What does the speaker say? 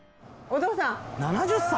「お父さん！」